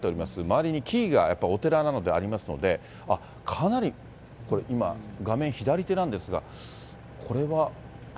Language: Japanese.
周りに木々がやっぱりお寺なのでありますので、かなりこれ、今、画面左手なんですが、これは。